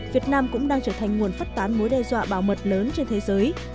việt nam cũng đang trở thành nguồn phát tán mối đe dọa bảo mật lớn trên thế giới